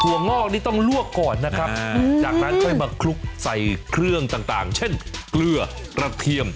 วงอกนี่ต้องลวกก่อนนะครับจากนั้นค่อยมาคลุกใส่เครื่องต่างเช่นเกลือกระเทียม